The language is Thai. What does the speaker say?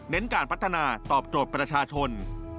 การพัฒนาตอบโจทย์ประชาชน